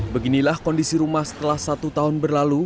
beginilah kondisi rumah setelah satu tahun berlalu